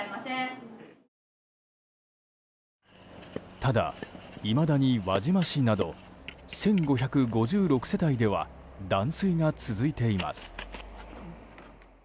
ただ、いまだに輪島市など１５５６世帯では断水が続いています。